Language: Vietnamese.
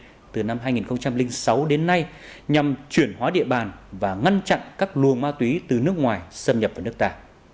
nối tiếp nhau do công an tỉnh sơn la thực hiện từ năm hai nghìn sáu đến nay nhằm chuyển hóa địa bàn và ngăn chặn các lùa ma túy từ nước ngoài xâm nhập vào nước ta